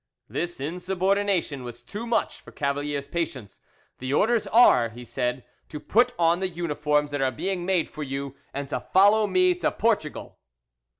This insubordination was too much for Cavalier's patience. "The orders are," he said, "to put on the uniforms that are being made for you, and to follow me to Portugal."